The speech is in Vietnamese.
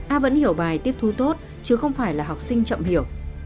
a vẫn hiểu bài tiếp thu tốt chứ không phải là học sinh chậm hiểu